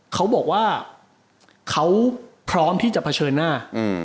เขาบอกว่าเขาพร้อมที่จะเผชิญหน้า